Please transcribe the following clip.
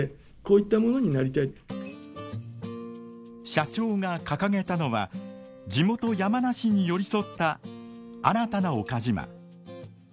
社長が掲げたのは地元山梨に寄り添った新たな岡島。